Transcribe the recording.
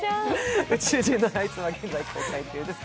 「宇宙人のあいつ」は現在公開中です。